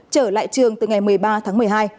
trở lại trường từ ngày một mươi ba tháng một mươi hai